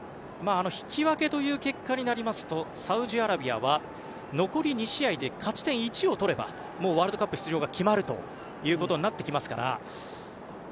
引き分けという結果になりますと、サウジアラビアは残り２試合で勝ち点１を取ればワールドカップ出場が決まるということになりますから。